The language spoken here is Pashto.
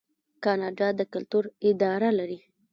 کاناډا د کلتور اداره لري.